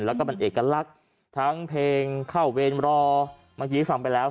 แล้วก็เป็นเอกลักษณ์ทั้งเพลงเข้าเวรรอเมื่อกี้ฟังไปแล้ว